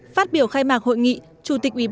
phát biểu khai mạc hội nghị